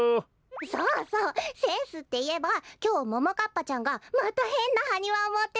そうそうセンスっていえばきょうももかっぱちゃんがまたへんなハニワをもってたの。